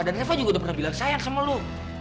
dan reva juga udah pernah bilang sayang sama lo